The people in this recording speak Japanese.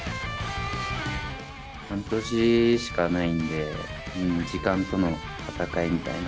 半年しかないんで、時間との闘いみたいな。